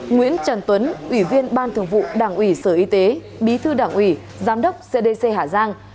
nguyễn trần tuấn ủy viên ban thường vụ đảng ủy sở y tế bí thư đảng ủy giám đốc cdc hà giang